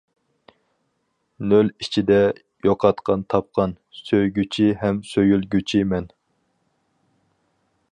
نۆل ئىچىدە يوقاتقان تاپقان، سۆيگۈچى ھەم سۆيۈلگۈچى مەن.